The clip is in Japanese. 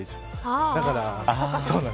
だから。